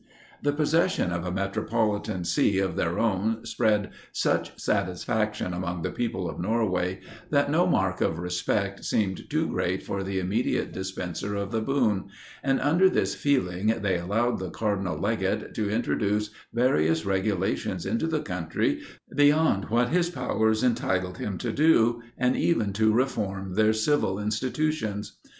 The possession of a metropolitan see of their own spread such satisfaction among the people of Norway, that no mark of respect seemed too great for the immediate dispenser of the boon; and under this feeling, they allowed the Cardinal Legate to introduce various regulations into the country beyond what his powers entitled him to do, and even to reform their civil institutions.